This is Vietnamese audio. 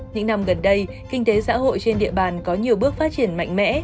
những năm gần đây kinh tế xã hội trên địa bàn có nhiều bước phát triển mạnh mẽ